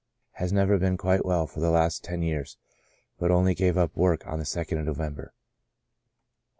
Has never been quite well for the last ten years, but only gave up work on the 2nd of November.